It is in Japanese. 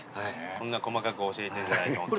こんな細かく教えていただいて。